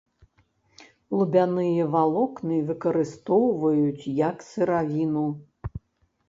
Лубяныя валокны выкарыстоўваюць як сыравіну.